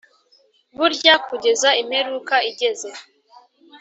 burya kugeza imperuka igeze